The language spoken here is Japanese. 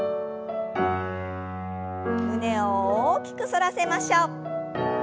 胸を大きく反らせましょう。